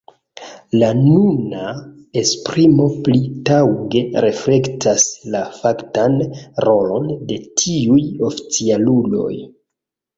La nuna esprimo pli taŭge reflektas la faktan rolon de tiuj oficialuloj.